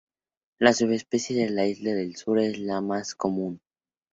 La subespecie de Isla del Sur es la más común.